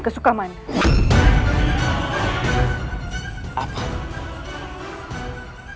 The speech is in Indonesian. menyusul kian santang